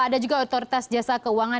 ada juga otoritas jasa keuangan